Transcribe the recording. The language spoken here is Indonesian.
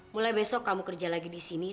mulai besok kamu kerja lagi di sini